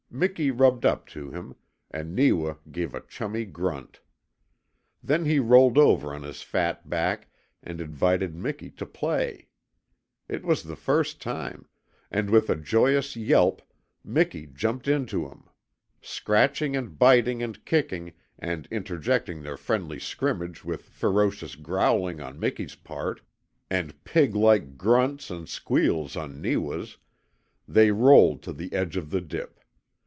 Miki rubbed up to him, and Neewa gave a chummy grunt. Then he rolled over on his fat back and invited Miki to play. It was the first time; and with a joyous yelp Miki jumped into him. Scratching and biting and kicking, and interjecting their friendly scrimmage with ferocious growling on Miki's part and pig like grunts and squeals on Neewa's, they rolled to the edge of the dip.